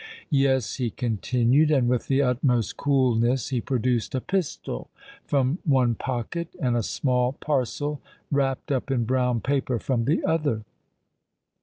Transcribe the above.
—'Yes,' he continued: and, with the utmost coolness, he produced a pistol from one pocket and a small parcel, wrapped up in brown paper, from the other.